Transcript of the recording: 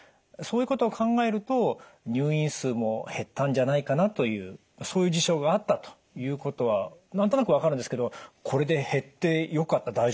そういうことを考えると入院数も減ったんじゃないかなというそういう事象があったということは何となく分かるんですけどこれで減ってよかった？